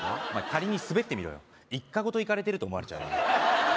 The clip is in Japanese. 仮にスベってみろよ一家ごとイカれてると思われちゃうよ